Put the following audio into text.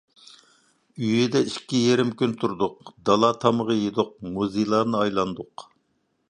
ئۆيىدە ئىككى يېرىم كۈن تۇردۇق، دالا تامىقى يېدۇق، مۇزېيلارنى ئايلاندۇق.